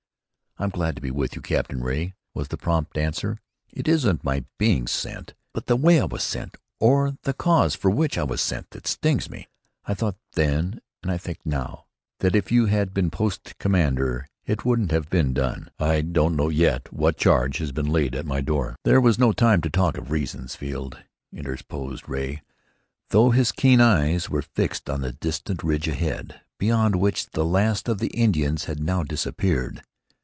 "I'm glad to be with you, Captain Ray," was the prompt answer. "It isn't my being sent, but the way I was sent, or the cause for which I was sent that stings me. I thought then, and I think now, that if you had been post commander it wouldn't have been done. I don't know yet what charge has been laid at my door " "There was no time to talk of reasons, Field," interposed Ray, though his keen eyes were fixed on the distant ridge ahead, beyond which the last of the Indians had now disappeared.